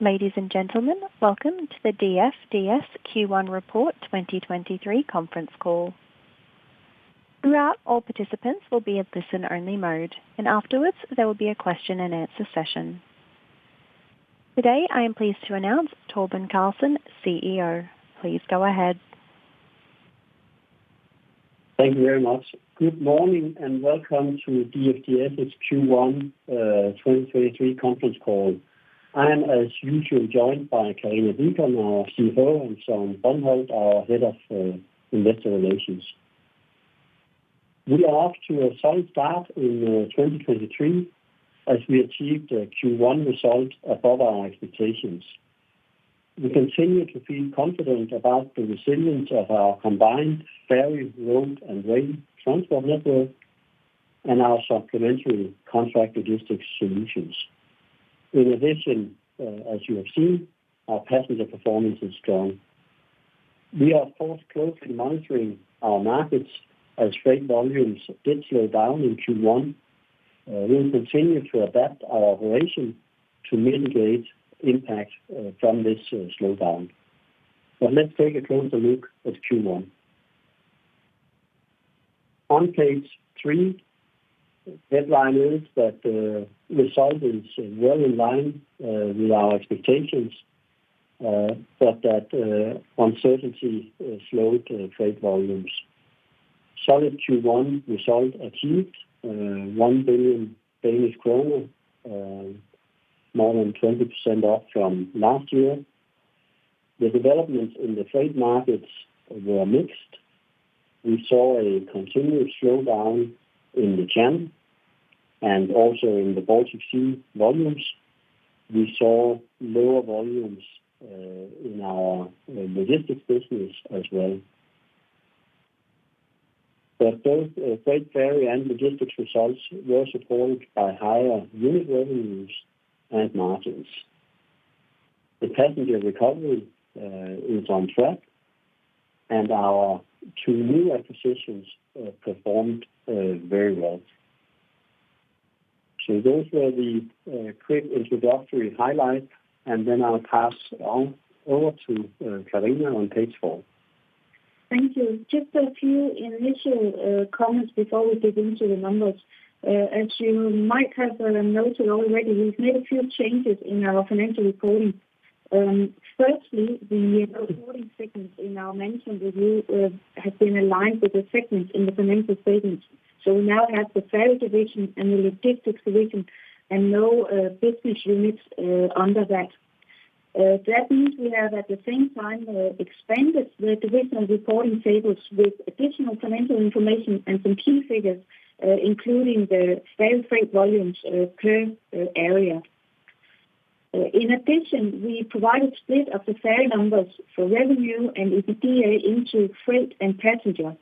Ladies and gentlemen, welcome to the DFDS Q1 Report 2023 Conference Call. Throughout, all participants will be at listen only mode, and afterwards, there will be a question and answer session. Today, I am pleased to announce Torben Carlsen, CEO. Please go ahead. Thank you very much. Good morning, welcome to DFDS's Q1 2023 Conference Call. I am, as usual, joined by Karina Deacon, our CFO, and Søren Brøndholt, our Head of Investor Relations. We are off to a solid start in 2023 as we achieved a Q1 result above our expectations. We continue to feel confident about the resilience of our combined ferry, road, and rail transport network and our supplementary contract logistics solutions. As you have seen, our passenger performance is strong. We are, of course, closely monitoring our markets as freight volumes did slow down in Q1. We'll continue to adapt our operation to mitigate impact from this slowdown. Let's take a closer look at Q1. On page three, headline is that result is well in line with our expectations, but that uncertainty slowed trade volumes. Solid Q1 result achieved, 1 billion Danish kroner, more than 20% up from last year. The developments in the trade markets were mixed. We saw a continuous slowdown in the channel and also in the Baltic Sea volumes. We saw lower volumes in our logistics business as well. Both freight ferry and logistics results were supported by higher unit revenues and margins. The passenger recovery is on track, and our two new acquisitions performed very well. Those were the quick introductory highlights, and then I'll pass on over to Karina on page four. Thank you. Just a few initial comments before we dig into the numbers. As you might have noted already, we've made a few changes in our financial reporting. Firstly, the reporting segments in our management review have been aligned with the segments in the financial statements. We now have the ferry division and the logistics division and no business units under that. We have, at the same time, expanded the divisional reporting tables with additional financial information and some key figures, including the ferry freight volumes per area. We provide a split of the ferry numbers for revenue and EBITDA into freight and passenger.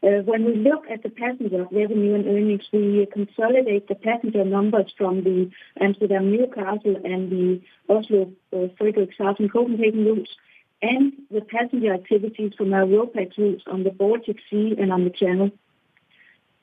When we look at the passenger revenue and earnings, we consolidate the passenger numbers from the Amsterdam-Newcastle and the Oslo-Frederikshavn-Copenhagen routes and the passenger activities from our RoPax routes on the Baltic Sea and on the Channel.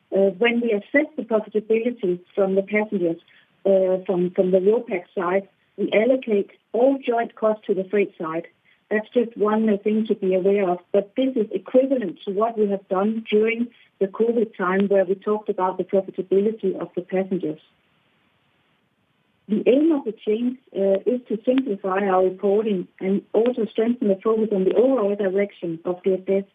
When we assess the profitability from the passengers, from the RoPax side, we allocate all joint costs to the freight side. That's just one thing to be aware of. This is equivalent to what we have done during the COVID time, where we talked about the profitability of the passengers. The aim of the change is to simplify our reporting and also strengthen the focus on the overall direction of DFDS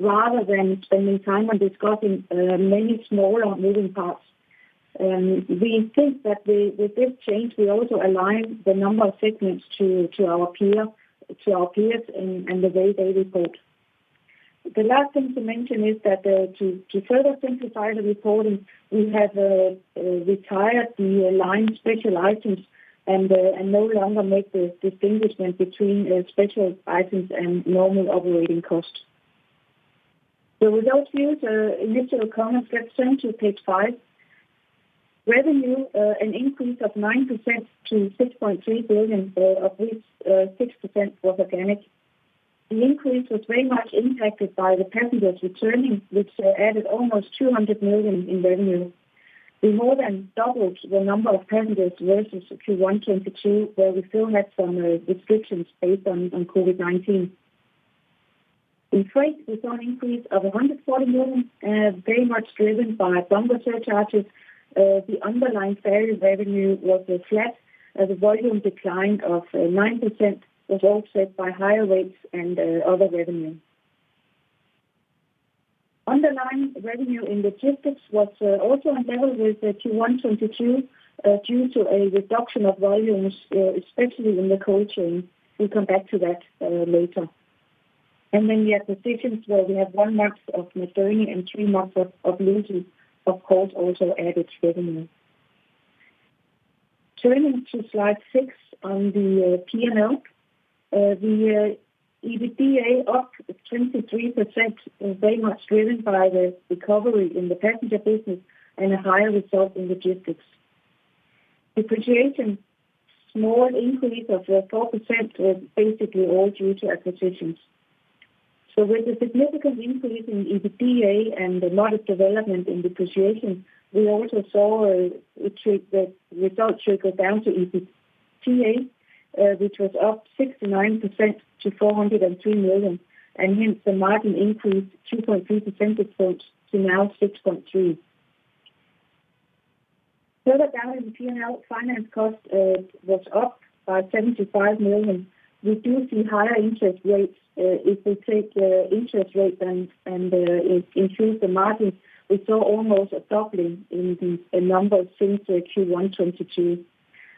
rather than spending time on discussing many smaller moving parts. We think that with this change, we also align the number of segments to our peers and the way they report. The last thing to mention is that to further simplify the reporting, we have retired the aligned special items and no longer make the distinguishment between special items and normal operating costs. The results here, the initial comments, let's turn to page five. Revenue, an increase of 9% to 6.3 billion, of which 6% was organic. The increase was very much impacted by the passengers returning, which added almost 200 million in revenue. We more than doubled the number of passengers versus Q1 2022, where we still had some restrictions based on COVID-19. In freight, we saw an increase of 140 million, very much driven by bunker surcharges. The underlying ferry revenue was flat. The volume decline of 9% was offset by higher rates and other revenue. Underlying revenue in logistics was also on level with the Q1 2022, due to a reduction of volumes, especially in the cold chain. We'll come back to that later. We have the seasons, where we have one month of November and three months of losing, of course, also added revenue. Turning to Slide Six on the P&L. The EBITDA up 23% is very much driven by the recovery in the passenger business and a higher result in logistics. Depreciation, small increase of 4% was basically all due to acquisitions. With a significant increase in the EBITDA and a lot of development in depreciation, we also saw a trick that results should go down to EBITDA, which was up 69% to 403 million, and hence the margin increased 2.3 percentage points to now 6.3. Further down in P&L, finance cost was up by 75 million. We do see higher interest rates. If we take interest rate then and it increased the margin, we saw almost a doubling in the numbers since Q1 2022.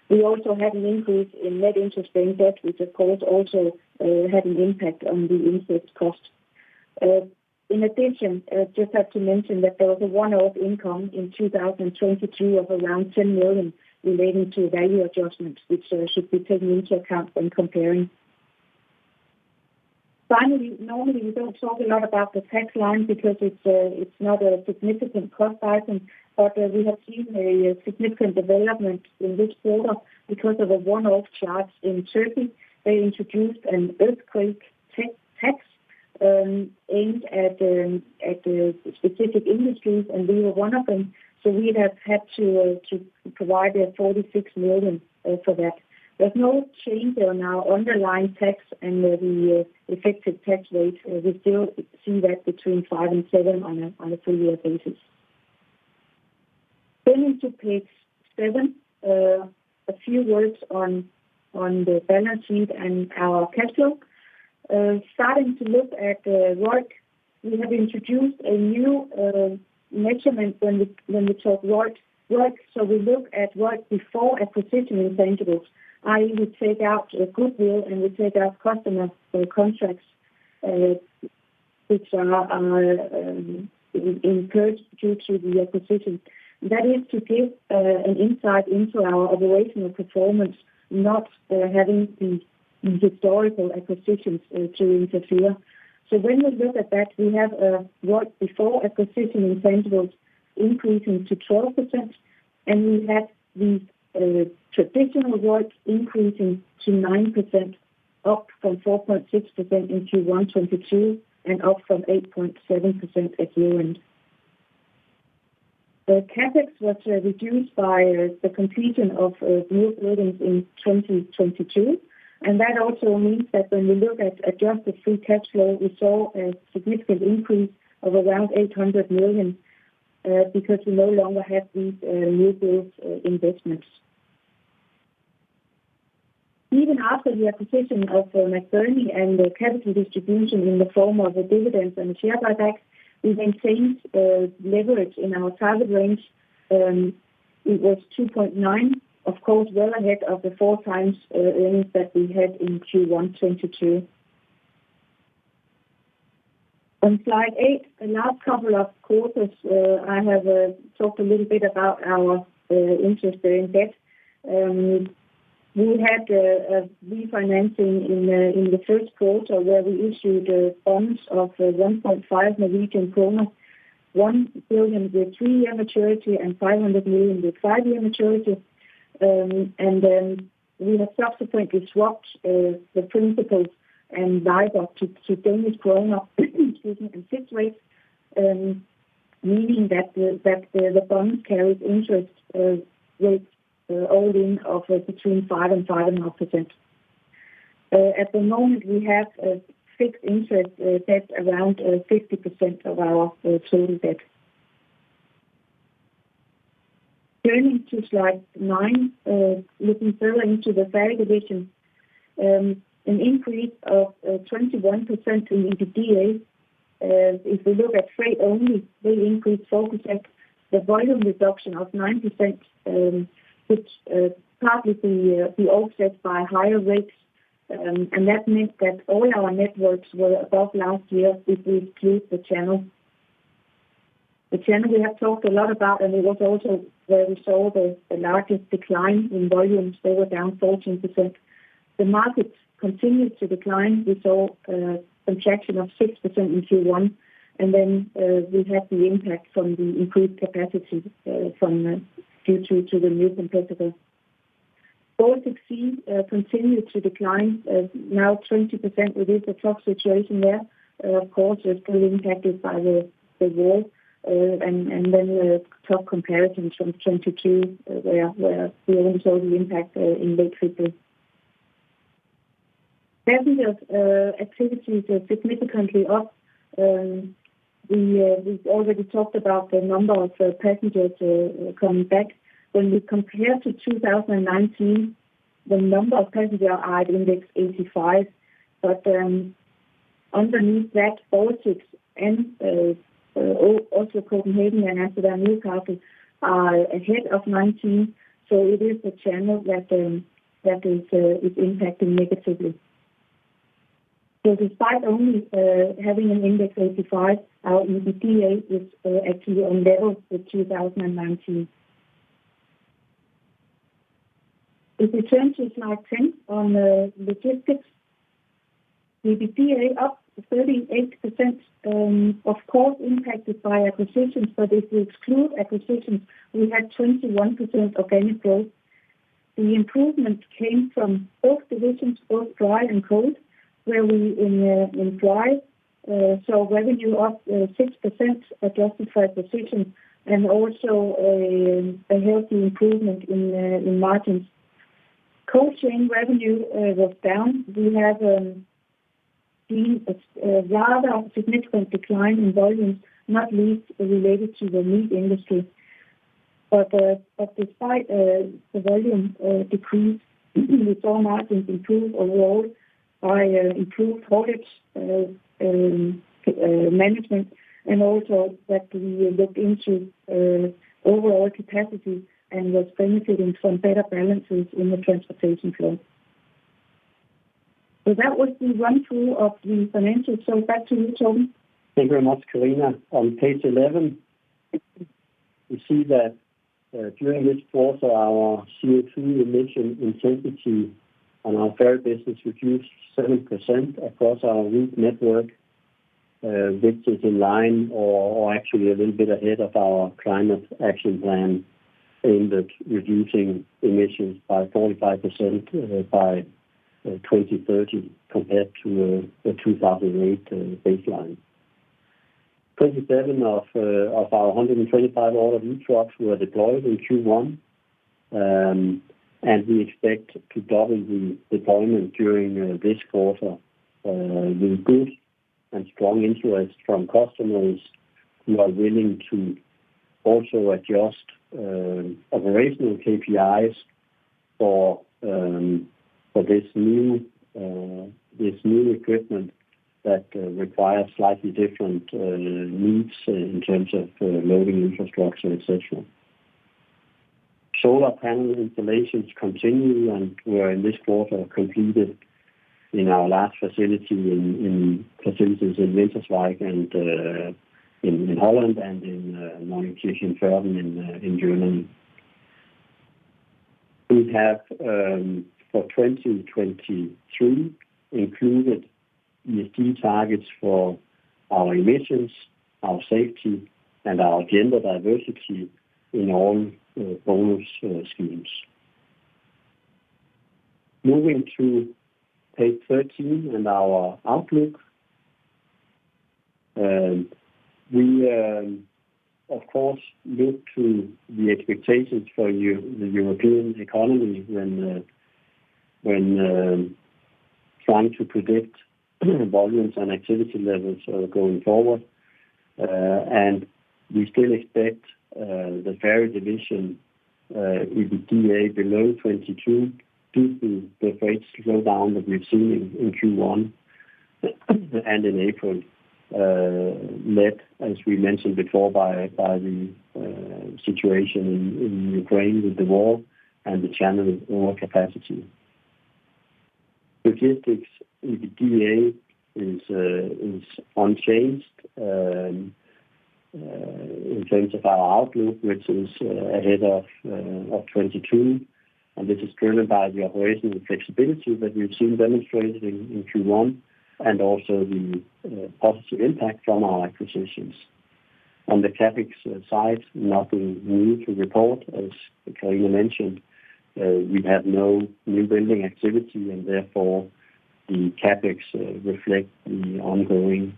We also had an increase in net interest payment, which of course also had an impact on the interest cost. In addition, I just have to mention that there was a one-off income in 2022 of around 10 million relating to value adjustments, which should be taken into account when comparing. Normally, we don't talk a lot about the tax line because it's not a significant cost item. We have seen a significant development in this quarter because of a one-off charge in Turkey. They introduced an earthquake tax aimed at specific industries, and we were one of them. We have had to provide 46 million for that. There's no change on our underlying tax and the effective tax rate. We still see that between 5% and 7% on a full year basis. To page seven. A few words on the balance sheet and our cash flow. Starting to look at ROIC, we have introduced a new measurement when we talk ROIT, ROIC. We look at ROIC before acquisition intangibles, i.e., we take out goodwill and we take out customer contracts, which are increased due to the acquisition. That is to give an insight into our operational performance, not having these historical acquisitions to interfere. When we look at that, we have ROIC before acquisition intangibles increasing to 12%, and we have the traditional ROIC increasing to 9%, up from 4.6% in Q1 2022, and up from 8.7% at year-end. The CapEx was reduced by the completion of new buildings in 2022. That also means that when we look at adjusted free cash flow, we saw a significant increase of around 800 million because we no longer have these new build investments. Even after the acquisition of McBurney and the capital distribution in the form of the dividends and the share buybacks, we've maintained leverage in our target range. It was 2.9, of course, well ahead of the 4x earnings that we had in Q1 2022. On Slide Eight, the last couple of quarters, I have talked a little bit about our interest in debt. We had a refinancing in the first quarter where we issued bonds of 1.5 billion Norwegian kroner, 1 billion with three-year maturity and 500 million with five-year maturity. We have subsequently swapped the principals and buyback to Danish kroner, excuse me, in fixed rates, meaning that the bonds carried interest rates all in of between 5% and 5.5%. At the moment, we have fixed interest debt around 50% of our total debt. Turning to Slide Nine, looking further into the ferry division. An increase of 21% in EBITDA. If we look at freight only, freight increase focused at the volume reduction of 9%, which partly be offset by higher rates. That means that all our networks were above last year if we exclude the Channel. The Channel we have talked a lot about, and it was also where we saw the largest decline in volumes. They were down 14%. The markets continued to decline. We saw contraction of 6% in Q1, and then we had the impact from the increased capacity from due to the new Capesize. Both exceed continued to decline, now 20%. With the truck situation there, of course, it's still impacted by the war. Then tough comparisons from 2022, where we also saw the impact in late Q4. Passenger activities are significantly up. We've already talked about the number of passengers coming back. When we compare to 2019, the number of passenger are at index 85. Underneath that, both ships and also Copenhagen and Amsterdam new houses are ahead of 2019. It is the Channel that is impacting negatively. Despite only having an index 85, our EBITDA is actually on level with 2019. If we turn to Slide 10 on Logistics. EBITDA up 38%, of course impacted by acquisitions, but if we exclude acquisitions, we had 21% organic growth. The improvement came from both divisions, both dry and cold, where we in dry saw revenue up 6% adjusted for acquisition, and also a healthy improvement in margins. Cold chain revenue was down. We have seen a rather significant decline in volume, not least related to the meat industry. Despite the volume decrease, we saw margins improve overall by improved tonnage management and also that we looked into overall capacity and was benefiting from better balances in the transportation flow. That was the run through of the financials. Back to you, Torben. Thank you very much, Karina. On page 11, we see that during this quarter, our CO2 emission intensity on our ferry business reduced 7% across our route network, which is in line or actually a little bit ahead of our climate action plan aimed at reducing emissions by 45% by 2030 compared to the 2008 baseline. 27 of our 125 order new trucks were deployed in Q1. We expect to double the deployment during this quarter, with good and strong interest from customers who are willing to also adjust operational KPIs for this new equipment that requires slightly different needs in terms of loading infrastructure, et cetera. Solar panel installations continue, were in this quarter completed in our last facility in facilities in Winterswijk and in Holland and in Neuenkirchen-Vörden in Germany. We have for 2023 included ESG targets for our emissions, our safety, and our gender diversity in all bonus schemes. Moving to page 13 and our outlook. We of course look to the expectations for the European economy when when trying to predict volumes and activity levels going forward. We still expect the ferry division in the EBITDA below 22 due to the freight slowdown that we've seen in Q1 and in April, led, as we mentioned before, by the situation in Ukraine with the war and the channel overcapacity. Logistics in the DA is unchanged in terms of our outlook, which is ahead of 2022. This is driven by the operational flexibility that we've seen demonstrated in Q1 and also the positive impact from our acquisitions. On the CapEx side, nothing new to report. As Karina mentioned, we have no new building activity, and therefore the CapEx reflect the ongoing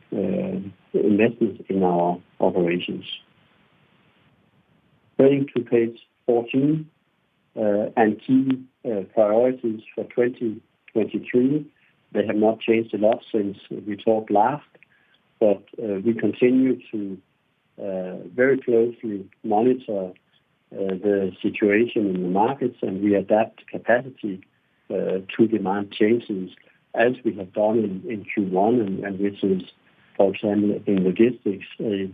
investment in our operations. Turning to page 14, key priorities for 2023. They have not changed a lot since we talked last, but we continue to very closely monitor the situation in the markets, and we adapt capacity to demand changes as we have done in Q1 and which is, for example, in logistics, a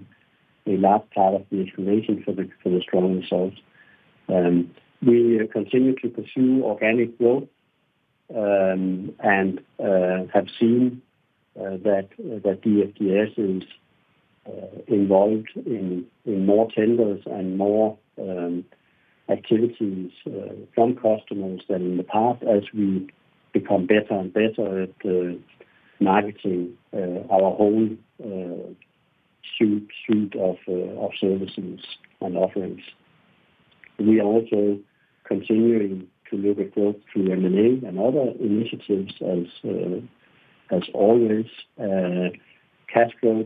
large part of the explanation for the strong results. We continue to pursue organic growth, and have seen that DFDS is involved in more tenders and more activities from customers than in the past as we become better and better at marketing our whole suit of services and offerings. We are also continuing to look at growth through M&A and other initiatives as always. Cash flow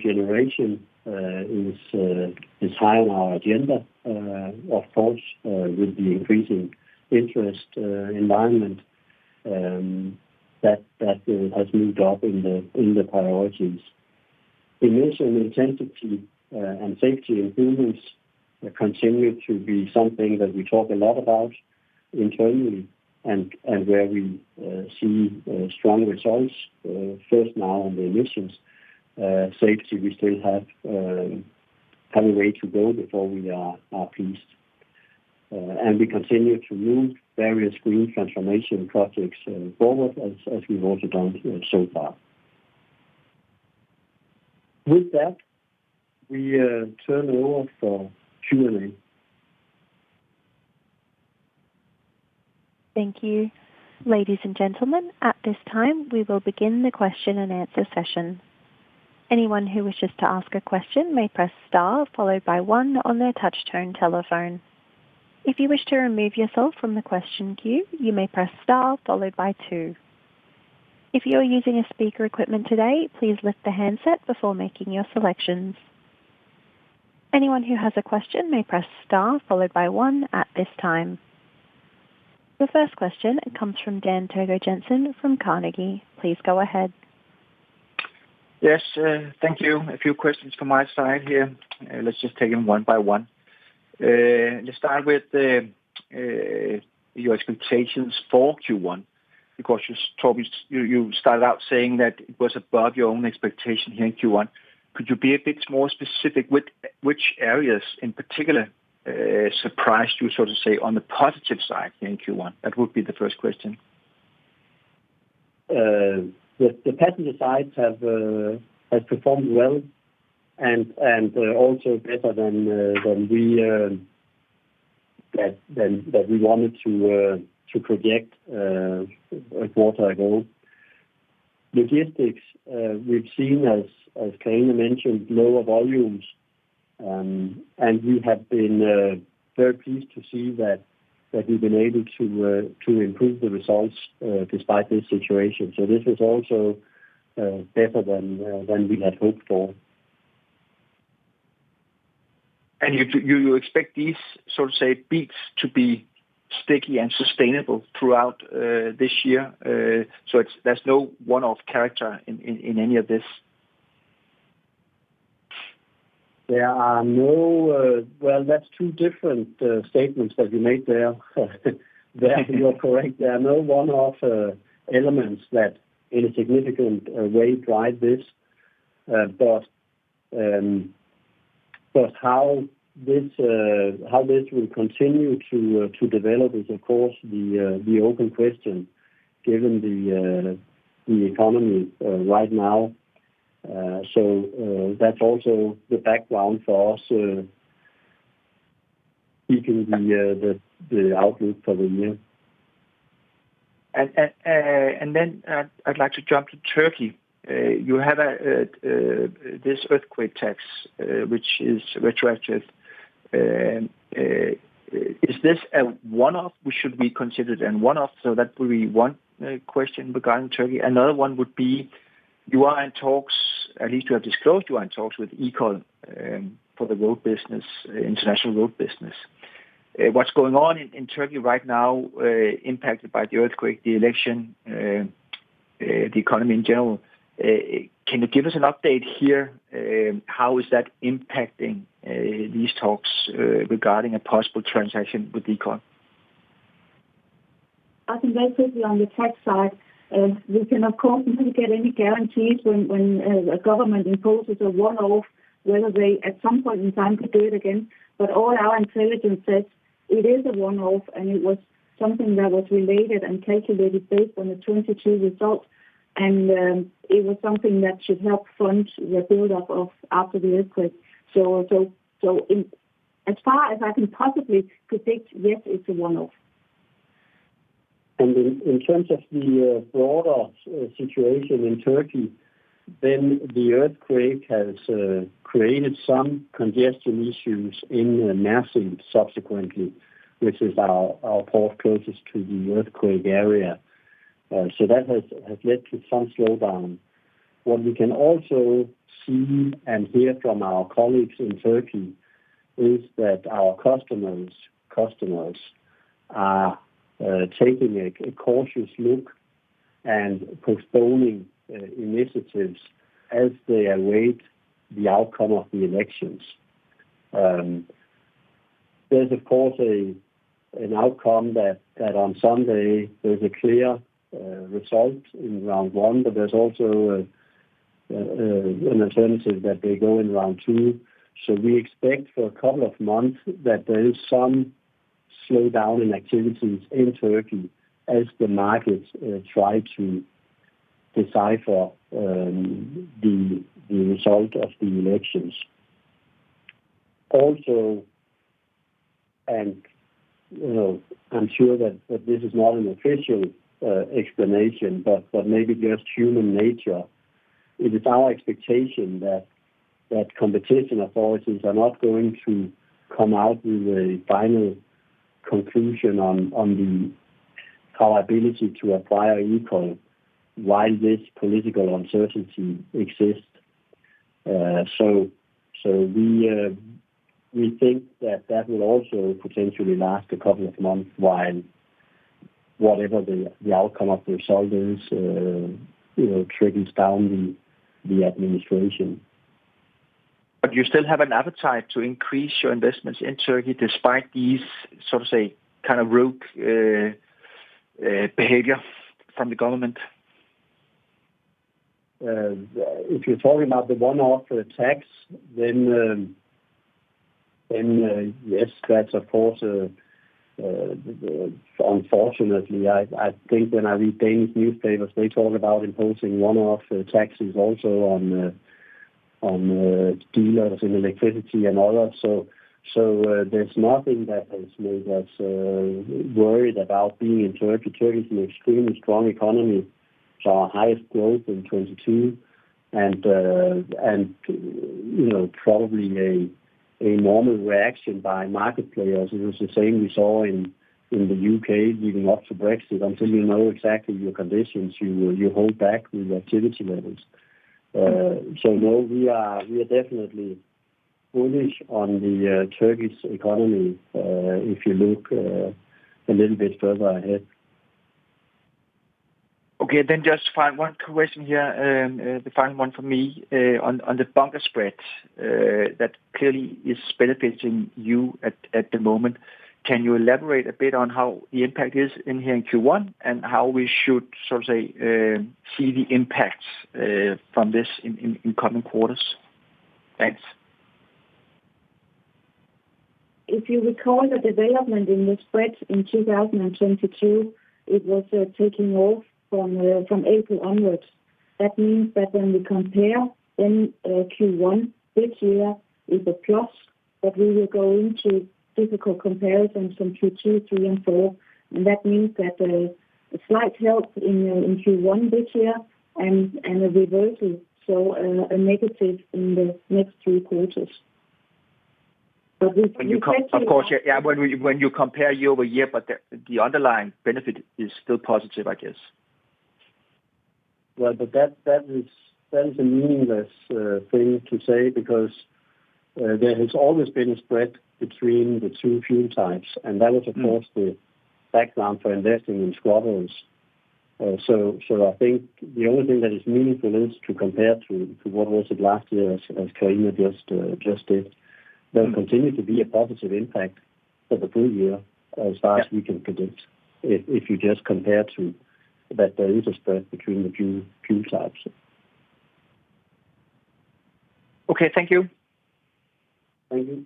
generation is high on our agenda. Of course, with the increasing interest environment, that has moved up in the priorities. Emission intensity and safety improvements continue to be something that we talk a lot about internally and where we see strong results, first now on the emissions. Safety, we still have a way to go before we are pleased. And we continue to move various green transformation projects forward as we've also done so far. With that, we turn over for Q&A. Thank you. Ladies and gentlemen, at this time, we will begin the question-and-answer session. Anyone who wishes to ask a question may press star followed by one on their touchtone telephone. If you wish to remove yourself from the question queue, you may press star followed by two. If you're using a speaker equipment today, please lift the handset before making your selections. Anyone who has a question may press star followed by one at this time. The first question comes from Dan Togo Jensen from Carnegie. Please go ahead. Yes, thank you. A few questions from my side here. Let's just take them one by one. Let's start with the, your expectations for Q1, because you told me, you started out saying that it was above your own expectation here in Q1. Could you be a bit more specific? Which areas in particular, surprised you, so to say, on the positive side in Q1? That would be the first question. The passenger sides has performed well and also better than we wanted to project a quarter ago. Logistics, we've seen as Karina mentioned, lower volumes, and we have been very pleased to see that we've been able to improve the results despite this situation. This is also better than we had hoped for. You expect these, so to say, beats to be sticky and sustainable throughout this year, there's no one-off character in any of this? There are no, well, that's two different statements that you made there. There, you're correct. There are no one-off elements that in a significant way drive this. How this will continue to develop is, of course the open question given the economy right now. That's also the background for us speaking the outlook for the year. Then I'd like to jump to Turkey. You have this earthquake tax, which is retroactive. Is this a one-off? We should be considered a one-off, so that will be one question regarding Turkey. Another one would be, you are in talks, at least you have disclosed you are in talks with Ekol, for the road business, international road business. What's going on in Turkey right now, impacted by the earthquake, the election, the economy in general? Can you give us an update here? How is that impacting these talks regarding a possible transaction with Ekol? I think basically on the tax side, we can of course not get any guarantees when a government imposes a one-off whether they, at some point in time could do it again. All our intelligence says it is a one-off, and it was something that was related and calculated based on the 2022 result. It was something that should help fund the build up of after the earthquake. So in as far as I can possibly predict, yes, it's a one-off. In terms of the broader situation in Turkey, then the earthquake has created some congestion issues in Mersin subsequently, which is our port closest to the earthquake area. That has led to some slowdown. What we can also see and hear from our colleagues in Turkey is that our customers are taking a cautious look and postponing initiatives as they await the outcome of the elections. There's of course an outcome that on Sunday there's a clear result in round one, but there's also an alternative that they go in round two. We expect for a couple of months that there is some slowdown in activities in Turkey as the markets try to decipher the result of the elections. You know, I'm sure that this is not an official explanation, but maybe just human nature. It is our expectation that competition authorities are not going to come out with a final conclusion on the our ability to acquire Ekol while this political uncertainty exists. We think that will also potentially last a couple of months while whatever the outcome of the result is, you know, trickles down the administration. You still have an appetite to increase your investments in Turkey despite these, sort of say, kind of rogue behavior from the government? If you're talking about the one-off tax, yes, that's of course, unfortunately, I think when I read Danish newspapers, they talk about imposing one-off taxes also on dealers in electricity and all that. There's nothing that has made us worried about being in Turkey. Turkey is an extremely strong economy. Saw our highest growth in 2022 and, you know, probably a normal reaction by market players. It was the same we saw in the U.K. leading up to Brexit. Until you know exactly your conditions, you hold back with activity levels. No, we are definitely bullish on the Turkish economy if you look a little bit further ahead. Okay. Just one question here, the final one from me, on the bunker spread, that clearly is benefiting you at the moment. Can you elaborate a bit on how the impact is in here in Q1, and how we should, so to say, see the impacts, from this in, in coming quarters? Thanks. If you recall the development in the spread in 2022, it was taking off from April onwards. That means that when we compare in Q1 this year is a plus, but we will go into difficult comparisons from Q2, Q3 and Q4. That means that a slight help in Q1 this year and a reversal. A negative in the next three quarters. Of course. Yeah, when you compare year-over-year, but the underlying benefit is still positive, I guess. That is a meaningless thing to say because there has always been a spread between the two fuel types, and that was of course the background for investing in scrubbers. So I think the only thing that is meaningful is to compare to what was it last year as Karina just said. There'll continue to be a positive impact for the full year as far as we can predict. If you just compare to that there is a spread between the two fuel types. Okay. Thank you. Thank you.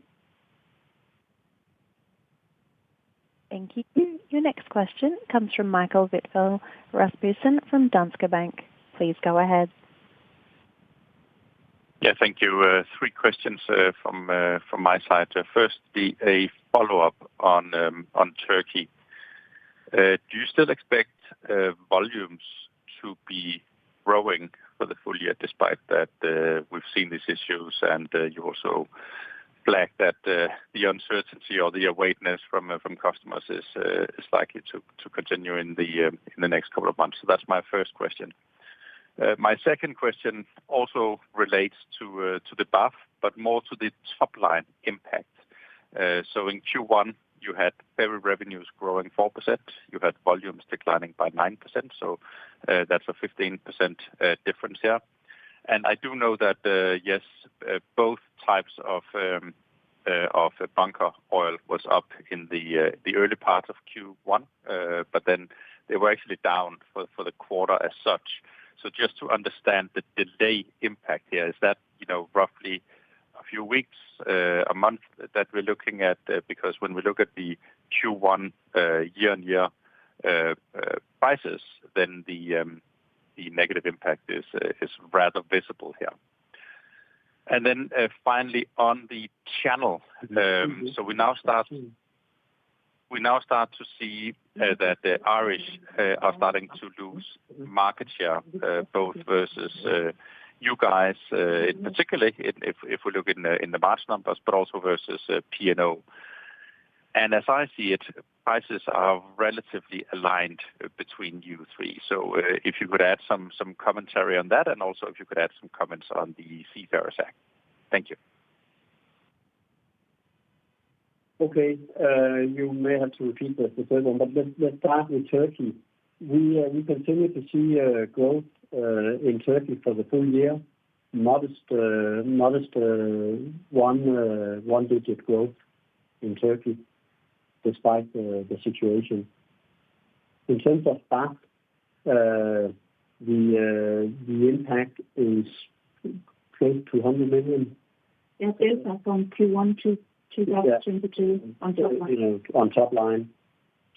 Thank you. Your next question comes from Mikael Vidfäldt Rasmussen from Danske Bank. Please go ahead. Yeah. Thank you. Three questions from my side. First, a follow-up on Turkey. Do you still expect volumes to be growing for the full year despite that we've seen these issues and you also flagged that the uncertainty or the awareness from customers is likely to continue in the next couple of months? That's my first question. My second question also relates to the BAF, but more to the top line impact. In Q1 you had ferry revenues growing 4%. You had volumes declining by 9%. That's a 15% difference here. I do know that, yes, both types of bunker oil was up in the early part of Q1, but then they were actually down for the quarter as such. Just to understand the delayed impact here, is that, you know, roughly a few weeks, a month that we're looking at? Because when we look at the Q1 year-on-year prices, then the negative impact is rather visible here. Then, finally on the channel. We now start to see that Irish Ferries are starting to lose market share, both versus you guys, particularly if we look in the batch numbers, but also versus P&O Ferries. As I see it, prices are relatively aligned between you three. If you could add some commentary on that, and also if you could add some comments on the Seafarers Act. Thank you. Okay. You may have to repeat the third one, but let's start with Turkey. We continue to see growth in Turkey for the full year. Modest one digit growth in Turkey despite the situation. In terms of BAF, the impact is close to 100 million. Yes. It's up from Q1 two, 2022 on top line. You know, on top line.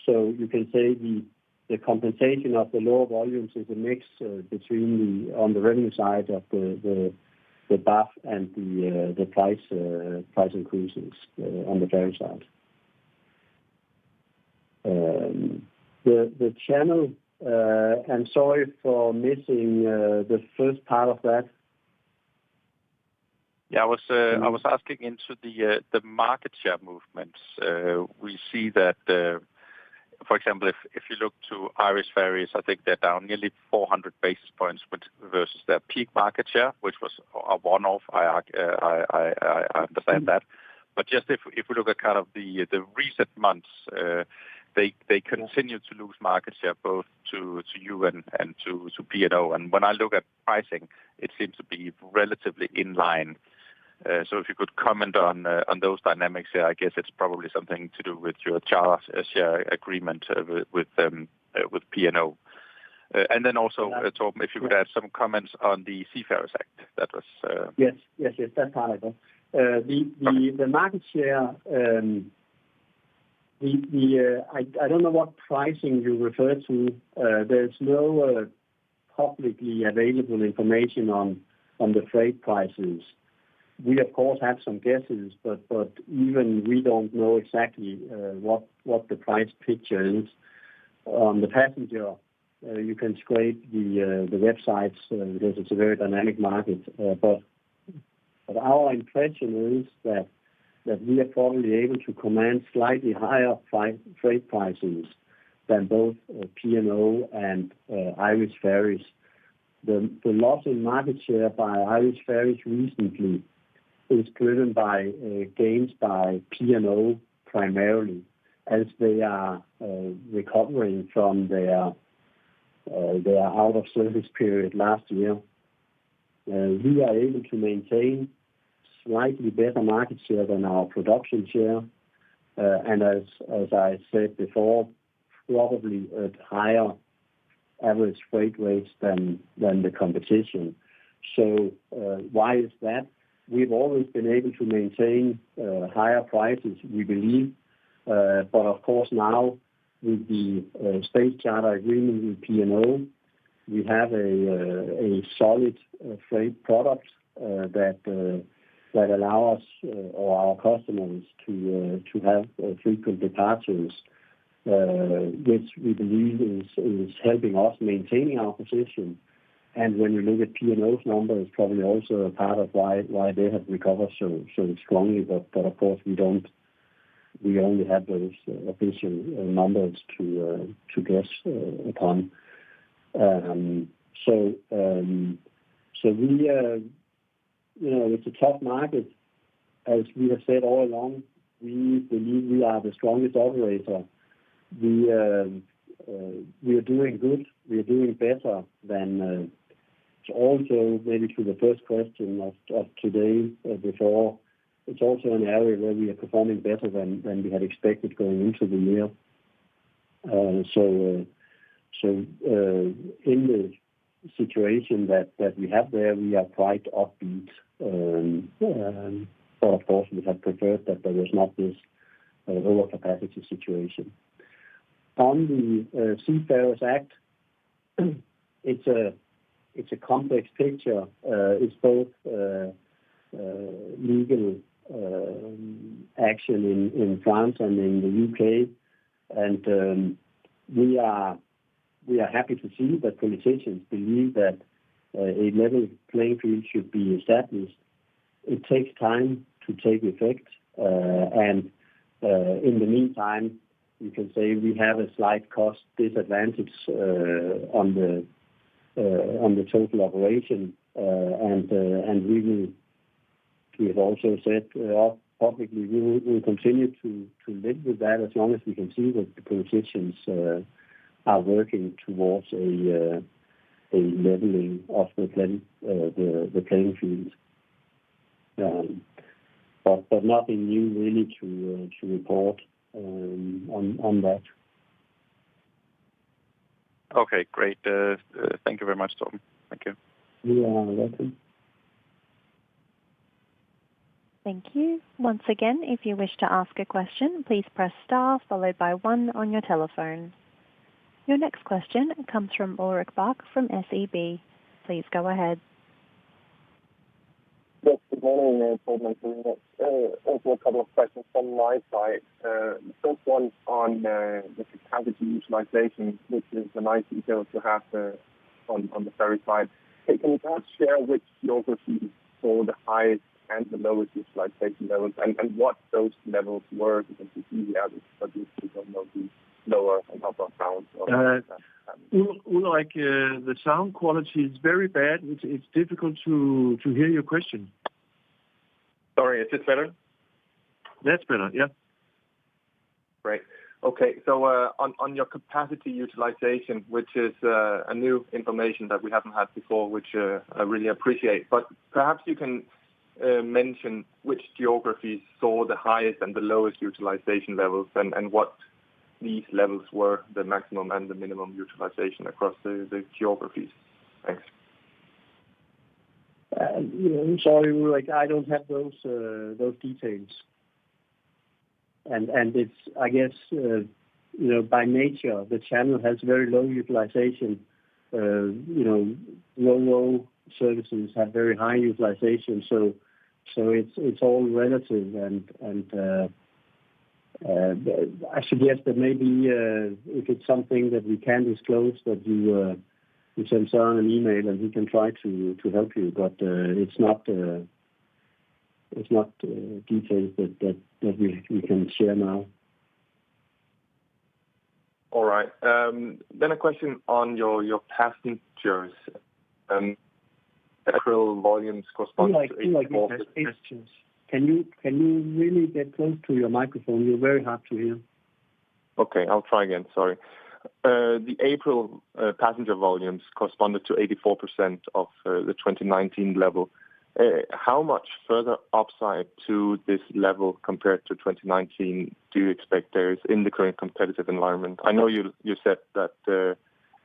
You can say the compensation of the lower volumes is a mix between, on the revenue side of the BAF and the price increases on the ferry side. The channel, and sorry for missing the first part of that. Yeah, I was asking into the market share movements. We see that, for example, if you look to Irish Ferries, I think they're down nearly 400 basis points versus their peak market share, which was a one-off. I understand that. Just if we look at kind of the recent months, they continue to lose market share both to you and to P&O. When I look at pricing, it seems to be relatively in line. If you could comment on those dynamics here. I guess it's probably something to do with your charter share agreement with P&O. Torben, if you could add some comments on the Seafarers' Wages Act. Yes. Yes. Yes, that's how I go. The market share. I don't know what pricing you refer to. There's no publicly available information on the freight prices. We of course have some guesses, but even we don't know exactly what the price picture is. The passenger, you can scrape the websites because it's a very dynamic market. Our impression is that we are probably able to command slightly higher freight prices than both P&O and Irish Ferries. The loss in market share by Irish Ferries recently is driven by gains by P&O primarily as they are recovering from their out of service period last year. We are able to maintain slightly better market share than our production share. As I said before, probably at higher average freight rates than the competition. Why is that? We've always been able to maintain higher prices, we believe. Of course now with the space charter agreement with P&O, we have a solid freight product that allow us or our customers to have frequent departures, which we believe is helping us maintaining our position. When you look at P&O's numbers, probably also a part of why they have recovered so strongly, of course, we only have those official numbers to guess upon. We, you know, it's a tough market. As we have said all along, we believe we are the strongest operator. We are doing good. We are doing better than also maybe to the first question of today before. It's also an area where we are performing better than we had expected going into the year. In the situation that we have there, we are quite upbeat. Of course, we have preferred that there was not this lower capacity situation. On the Seafarers' Act, it's a complex picture. It's both legal action in France and in the U.K. We are happy to see the politicians believe that a level playing field should be established. It takes time to take effect. In the meantime, you can say we have a slight cost disadvantage on the total operation. We have also said publicly we'll continue to live with that as long as we can see that the politicians are working towards a leveling of the playing field. Nothing new really to report on that. Okay, great. Thank you very much, Torben. Thank you. You are welcome. Thank you. Once again, if you wish to ask a question, please press star followed by one on your telephone. Your next question comes from Ulrik Bak from SEB. Please go ahead. Yes, good morning, Torben. Also a couple of questions from my side. The first one on the capacity utilization, which is a nice detail to have on the ferry side. Can you perhaps share which geographies saw the highest and the lowest utilization levels and what those levels were? Because we see the average, but we still don't know the lower and upper bounds of that. Ulrik, the sound quality is very bad. It's difficult to hear your question. Sorry. Is this better? That's better, yeah. Great. Okay. On your capacity utilization, which is a new information that we haven't had before, which I really appreciate. Perhaps you can mention which geographies saw the highest and the lowest utilization levels and what these levels were, the maximum and the minimum utilization across the geographies. Thanks. You know, I'm sorry, Ulrik. I don't have those details. It's, I guess, you know, by nature the channel has very low utilization. You know, Ro-Ro services have very high utilization. It's, it's all relative. I suggest that maybe, if it's something that we can disclose that you send us on an email and we can try to help you. It's not, it's not, details that we can share now. All right. A question on your passengers. April volumes correspond to 84%. Ulrik. Yes, please. Can you really get close to your microphone? You're very hard to hear. Okay. I'll try again. Sorry. The April passenger volumes corresponded to 84% of the 2019 level. How much further upside to this level compared to 2019 do you expect there is in the current competitive environment? I know you said that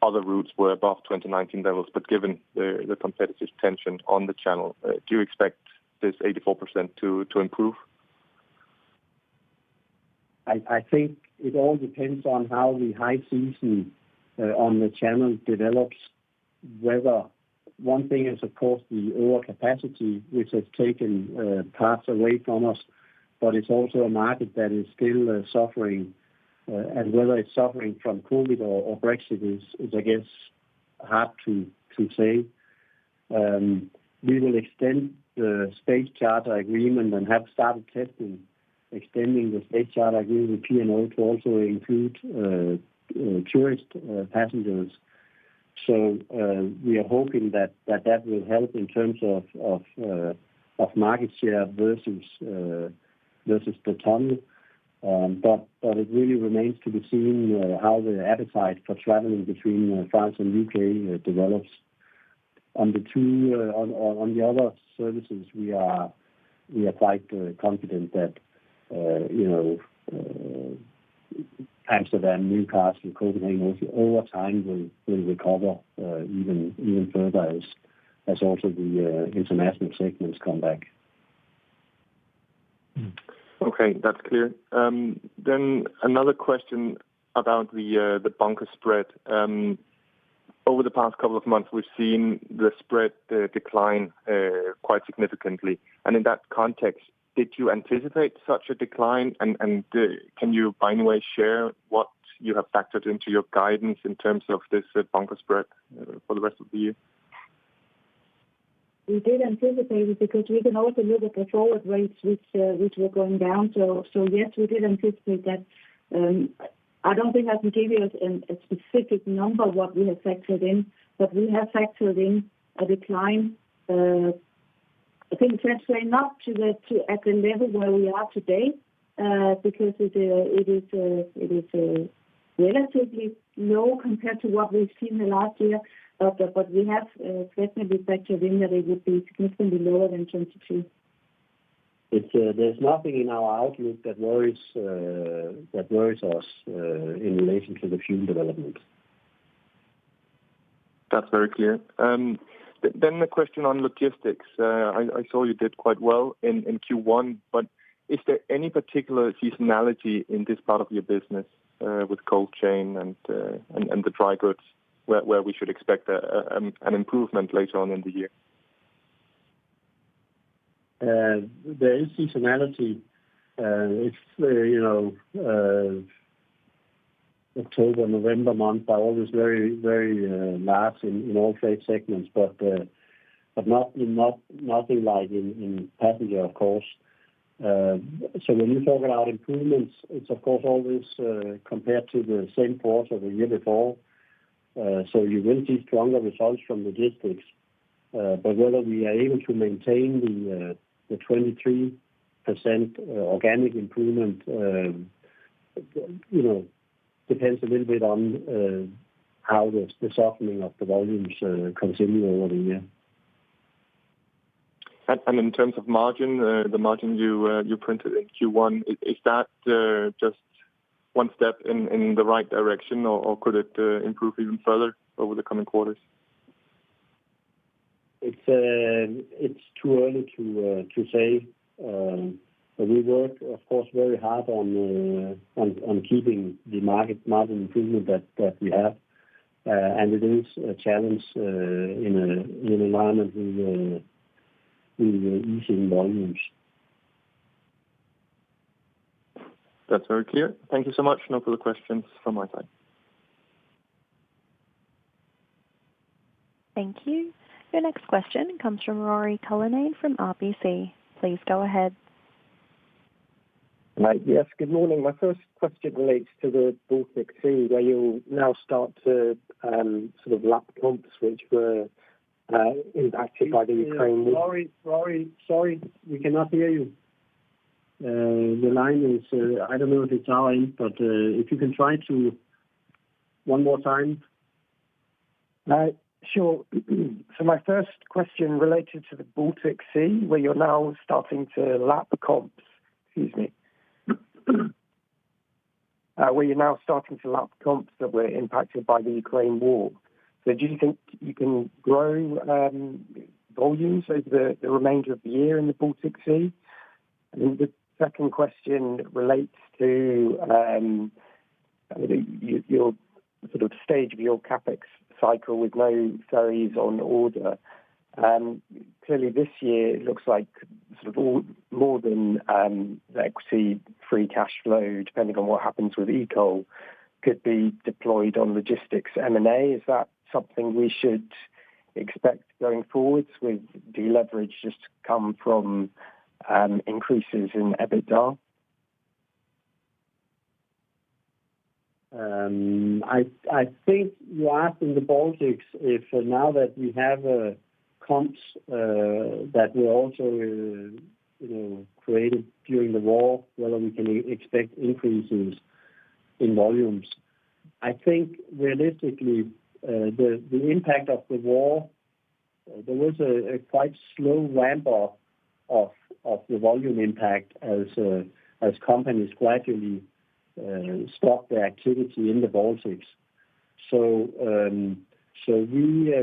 Other routes were above 2019 levels, but given the competitive tension on the channel, do you expect this 84% to improve? I think it all depends on how the high season on the channel develops, whether one thing is, of course, the overcapacity which has taken parts away from us, but it's also a market that is still suffering. Whether it's suffering from COVID or Brexit is I guess, hard to say. We will extend the space charter agreement and have started testing, extending the space charter agreement with P&O to also include tourist passengers. We are hoping that will help in terms of market share versus versus the ton. It really remains to be seen how the appetite for traveling between France and U.K. develops. On the two, on the other services, we are quite confident that, you know, Amsterdam, Newcastle, Copenhagen, over time, will recover even further as also the international segments come back. Okay. That's clear. Another question about the bunker spread. Over the past couple of months, we've seen the spread decline quite significantly. In that context, did you anticipate such a decline? Can you, by any way, share what you have factored into your guidance in terms of this bunker spread for the rest of the year? We did anticipate it because we can also look at the forward rates which were going down. Yes, we did anticipate that. I don't think I can give you a specific number what we have factored in, but we have factored in a decline. I think, frankly, not at the level where we are today, because it is relatively low compared to what we've seen in last year. We have, definitely factored in that it would be significantly lower than 2022. It's, there's nothing in our outlook that worries us, in relation to the fuel development. That's very clear. The question on logistics. I saw you did quite well in Q1, but is there any particular seasonality in this part of your business with cold chain and the dry goods where we should expect an improvement later on in the year? There is seasonality. It's, you know, October, November month are always very, very large in all trade segments. But nothing like in passenger, of course. When you talk about improvements, it's of course always compared to the same quarter the year before. You will see stronger results from logistics. Whether we are able to maintain the 23% organic improvement, you know, depends a little bit on how the softening of the volumes continue over the year. In terms of margin, the margin you printed in Q1, is that just one step in the right direction, or could it improve even further over the coming quarters? It's too early to say. We work, of course, very hard on keeping the market margin improvement that we have. It is a challenge, in an environment with easing volumes. That's very clear. Thank you so much. No further questions from my side. Thank you. Your next question comes from Rory Cullinan from RBS. Please go ahead. Right. Yes, good morning. My first question relates to the Baltic Sea, where you'll now start to sort of lap comps which were impacted by the Ukraine- Rory, sorry, we cannot hear you. Your line is, I don't know if it's our end, but if you can try to, one more time. Sure. My first question related to the Baltic Sea, where you're now starting to lap comps. Excuse me. Where you're now starting to lap comps that were impacted by the Ukraine war. Do you think you can grow volumes over the remainder of the year in the Baltic Sea? The second question relates to your sort of stage of your CapEx cycle with no ferries on order. Clearly this year it looks like sort of more than the equity free cash flow, depending on what happens with Ekol, could be deployed on logistics M&A. Is that something we should expect going forwards with the leverage just come from increases in EBITDA? I think you asked in the Baltics if now that we have comps that were also, you know, created during the war, whether we can expect increases in volumes. I think realistically, the impact of the war. There was a quite slow ramp up of the volume impact as companies gradually stopped their activity in the Baltics. We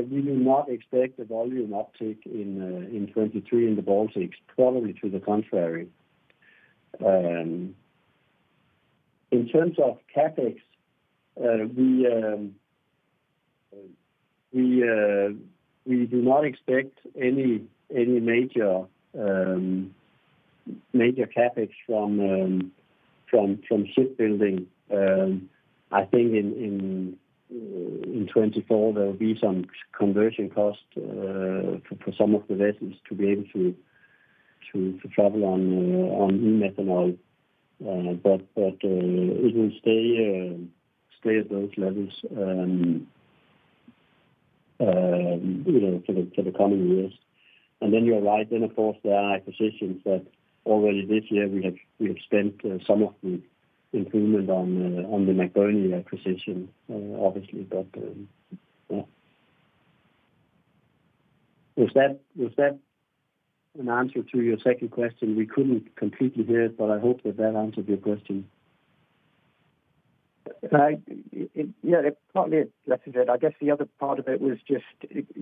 do not expect the volume uptick in 2023 in the Baltics, probably to the contrary. In terms of CapEx, we do not expect any major CapEx from shipbuilding. I think in 2024 there will be some conversion costs for some of the vessels to be able to travel on methanol. It will stay at those levels, you know, for the coming years. Then you're right, then of course there are acquisitions that already this year we have spent some of the improvement on the McBurney acquisition, obviously. Yeah. Was that an answer to your second question? We couldn't completely hear it, but I hope that that answered your question. Yeah, it partly answered it. I guess the other part of it was just,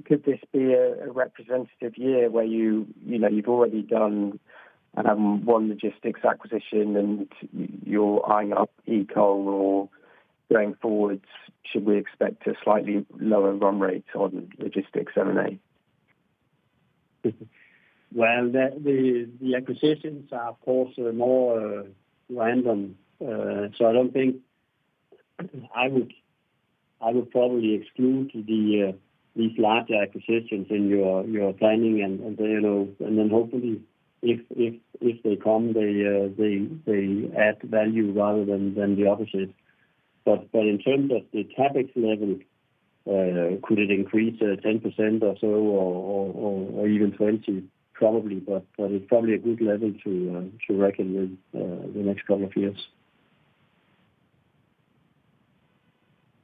could this be a representative year where you know, you've already done one logistics acquisition and you're eyeing up Ekol or going forwards, should we expect a slightly lower run rate on logistics M&A? Well, the acquisitions are of course more random. I would probably exclude these larger acquisitions in your planning and, you know. Hopefully if they come they add value rather than the opposite. In terms of the CapEx level, could it increase 10% or so, or even 20%? Probably, but it's probably a good level to reckon with the next couple of years.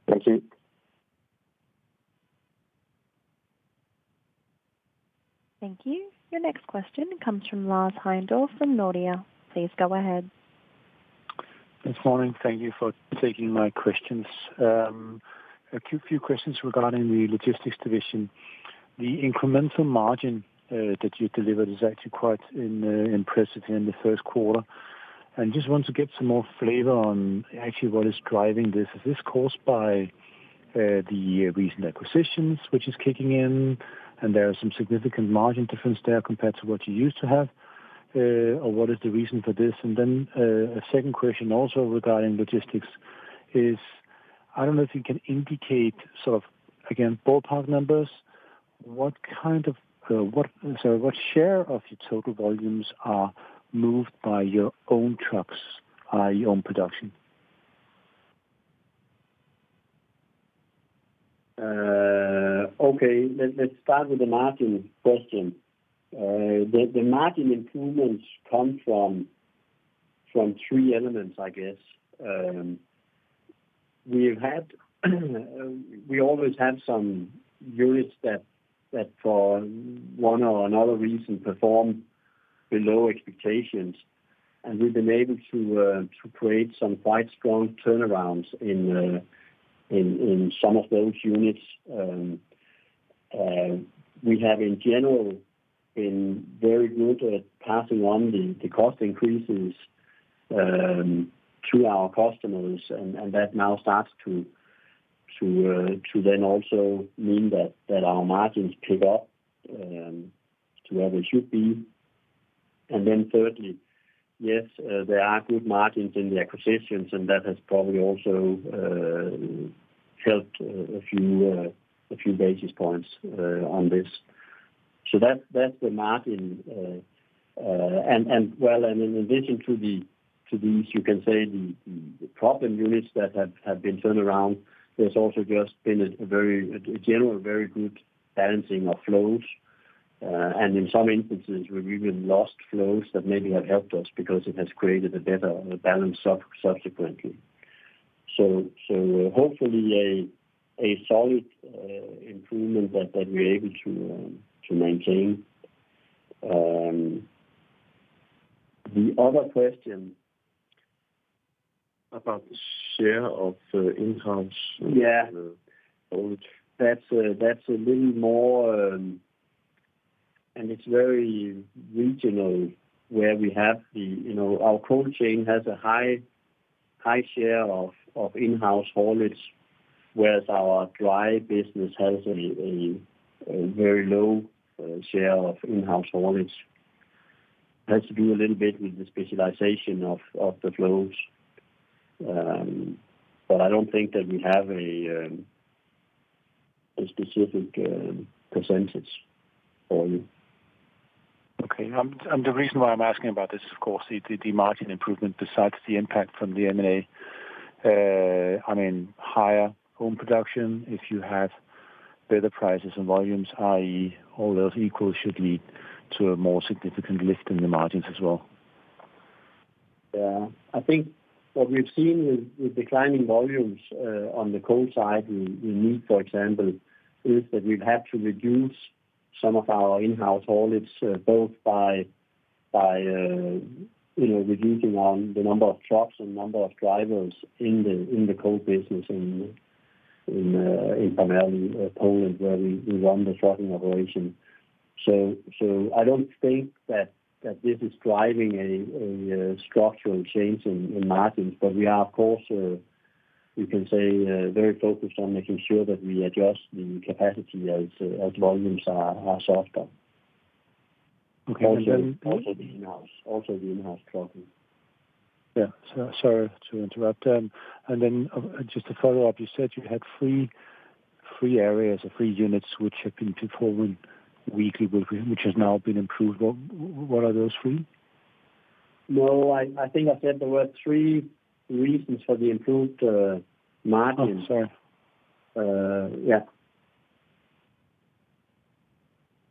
Thank you. Thank you. Your next question comes from Lars Heindorff from Nordea. Please go ahead. Thanks, Torben. Thank you for taking my questions. A few questions regarding the logistics division. The incremental margin that you delivered is actually quite impressive in the first quarter. I just want to get some more flavor on actually what is driving this. Is this caused by the recent acquisitions which is kicking in, and there are some significant margin difference there compared to what you used to have? Or what is the reason for this? A second question also regarding logistics is, I don't know if you can indicate sort of, again, ballpark numbers, what kind of, what share of your total volumes are moved by your own trucks, i.e. own production? Okay. Let's start with the margin question. The margin improvements come from three elements, I guess. We've had, we always have some units that for one or another reason perform below expectations, and we've been able to create some quite strong turnarounds in some of those units. We have in general been very good at passing on the cost increases to our customers, and that now starts to then also mean that our margins pick up to where they should be. Thirdly, yes, there are good margins in the acquisitions, and that has probably also helped a few basis points on this. That's the margin. Well, in addition to these, you can say the problem units that have been turned around, there's also just been a very general very good balancing of flows. In some instances we've even lost flows that maybe have helped us because it has created a better balance subsequently. Hopefully a solid improvement that we're able to maintain. The other question. About the share of. Yeah. Haulage. That's a little more. It's very regional where we have the, you know, our cold chain has a high share of in-house haulage, whereas our dry business has a very low share of in-house haulage. It has to do a little bit with the specialization of the flows. I don't think that we have a specific percentage for you. Okay. The reason why I'm asking about this, of course, is the margin improvement besides the impact from the M&A, I mean, higher own production, if you have better prices and volumes, i.e. all else equal should lead to a more significant lift in the margins as well. I think what we've seen with declining volumes, on the cold side in meat, for example, is that we've had to reduce some of our in-house haulage, both by, you know, reducing on the number of trucks and number of drivers in the cold business in Parmally, Poland, where we run the trucking operation. So I don't think that this is driving a structural change in margins. We are of course, we can say, very focused on making sure that we adjust the capacity as volumes are softer. Okay. Also the in-house trucking. Yeah. Sorry to interrupt. Then, just to follow up, you said you had three areas or three units which have been performing weakly with, which has now been improved. What are those three? No, I think I said there were three reasons for the improved margin. Oh, sorry. Yeah.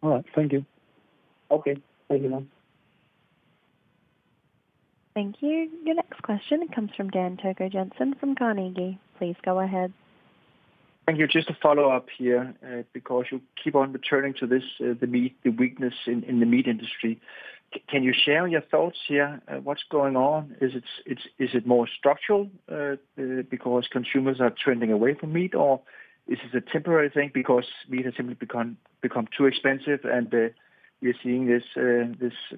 All right. Thank you. Okay. Thank you, man. Thank you. Your next question comes from Dan Togo Jensen from Carnegie. Please go ahead. Thank you. Just to follow up here, because you keep on returning to this, the meat, the weakness in the meat industry. Can you share your thoughts here? What's going on? Is it more structural, because consumers are trending away from meat, or is it a temporary thing because meat has simply become too expensive and, we're seeing this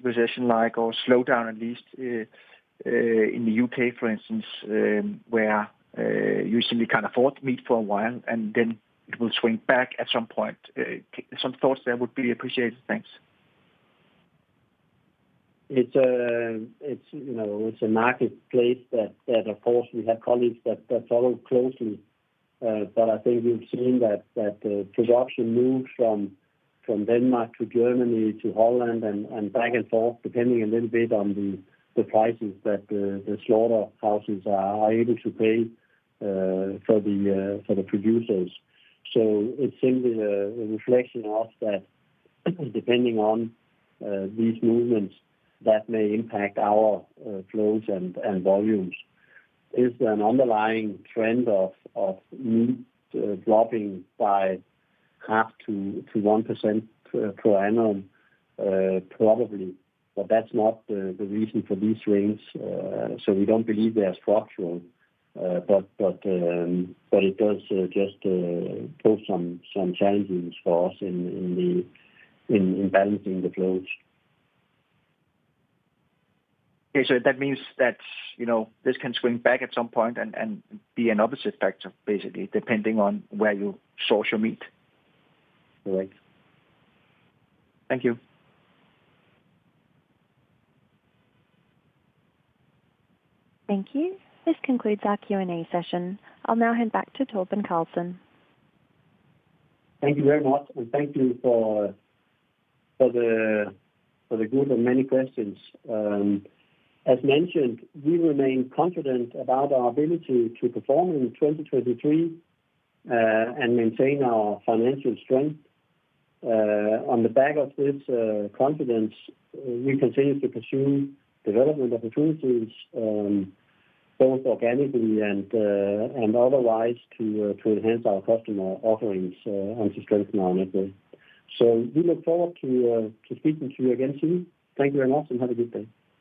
recession like, or slow down at least, in the U.K., for instance, where, you simply can't afford meat for a while, and then it will swing back at some point? Some thoughts there would be appreciated. Thanks. It's, you know, it's a marketplace that of course we have colleagues that follow closely. But I think we've seen that production moved from Denmark to Germany to Holland and back and forth, depending a little bit on the prices that the slaughterhouses are able to pay for the producers. It's simply the reflection of that, depending on these movements that may impact our flows and volumes. Is there an underlying trend of meat dropping by half to 1% per annum? Probably, but that's not the reason for these swings. We don't believe they are structural. It does just pose some challenges for us in balancing the flows. Okay. That means that, you know, this can swing back at some point and be an opposite factor, basically, depending on where you source your meat? Correct. Thank you. Thank you. This concludes our Q&A session. I'll now hand back to Torben Carlsen. Thank you very much, and thank you for the, for the good and many questions. As mentioned, we remain confident about our ability to perform in 2023 and maintain our financial strength. On the back of this confidence, we continue to pursue development opportunities, both organically and otherwise to enhance our customer offerings and to strengthen our network. We look forward to speaking to you again soon. Thank you very much, and have a good day.